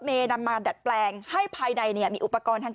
นำมาดัดแปลงให้ภายในเนี่ยมีอุปกรณ์ทาง